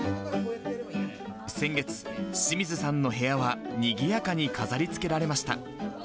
先月、清水さんの部屋は、にぎやかに飾りつけられました。